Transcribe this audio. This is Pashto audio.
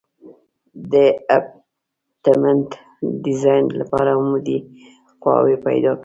د ابټمنټ ډیزاین لپاره عمودي قواوې پیدا کوو